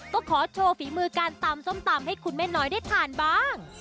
ก็ขอโชว์ฝีมือการตำส้มตำให้คุณแม่น้อยได้ทานบ้าง